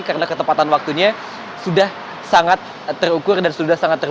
kita bisa melihat